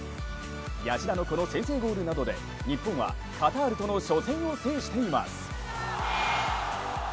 谷内田のこの先制ゴールなどで日本はカタールとの初戦を制しています。